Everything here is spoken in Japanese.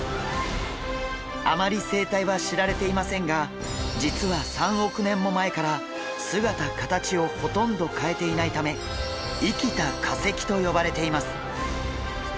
あまり生態は知られていませんが実は３億年も前から姿形をほとんど変えていないため生きた化石と呼ばれています。